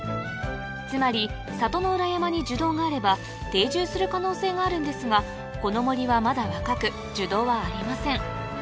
つまり里の裏山に樹洞があれば定住する可能性があるんですがこの森はまだ若く樹洞はありません